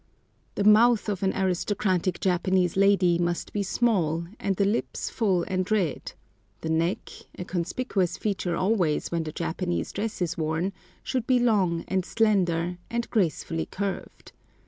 The mouth of an aristocratic Japanese lady must be small, and the lips full and red; the neck, a conspicuous feature always when the Japanese dress is worn, should be long and slender, and gracefully curved.